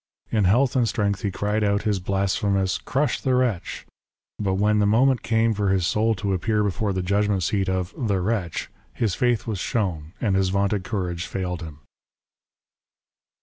In health and strength he cried out his blasphemous " crush the wretch !" but when the moment came for his soul to appear before the judgment seat of ''the wretch," his faith was shown and his vaunted courage failed him.